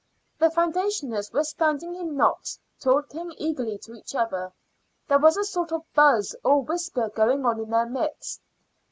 The foundationers were standing in knots talking eagerly to each other. There was a sort of buzz or whisper going on in their midst.